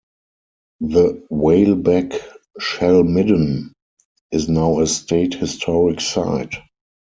The Whaleback Shell Midden is now a state historic site.